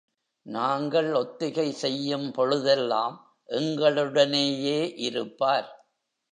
நாங்கள் ஒத்திகை செய்யும் பொழுதெல்லாம் எங்களுடனேயேயிருப்பார்.